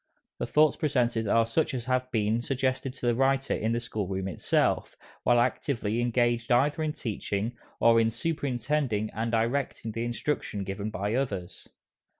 The thoughts presented are such as have been suggested to the writer in the school room itself, while actively engaged either in teaching, or in superintending and directing the instruction given by others.